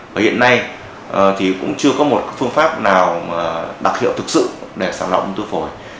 và hiện nay thì cũng chưa có một phương pháp nào đặc hiệu thực sự để sàng lọc ung thư phổi